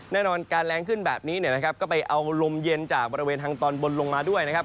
แน่นอนการแรงขึ้นแบบนี้เนี่ยนะครับก็ไปเอาลมเย็นจากบริเวณทางตอนบนลงมาด้วยนะครับ